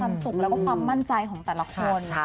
ความสุขแล้วก็ความมั่นใจของแต่ละคน